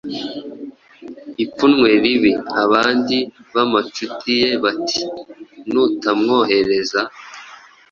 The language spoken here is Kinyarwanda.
ipfunwe ribi?” Abandi b’amacuti ye bati: “Nutamwohereza